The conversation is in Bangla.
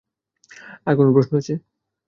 আর কোনো প্রশ্ন আছে?